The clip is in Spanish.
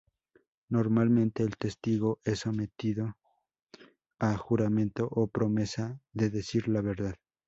Normalmente el testigo es sometido a juramento o promesa de decir la verdad.